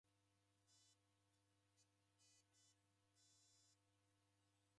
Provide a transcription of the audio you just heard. Orushwa igunia